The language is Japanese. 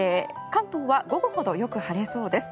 関東は午後ほどよく晴れそうです。